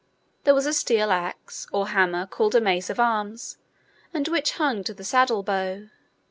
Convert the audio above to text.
Then there was a steel axe, or hammer, called a mace of arms, and which hung to the saddle bow.